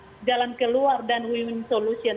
jangan ada jalan keluar dan we win solution